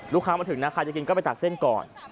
ลูกค้ามาถึงค่ะใครจะกินก็ไปนำเส้นก่อน